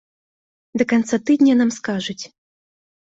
Да канца тыдня нам скажуць.